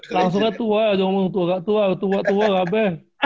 langsung aja tua jangan bilang tua enggak tua tua tua enggak apa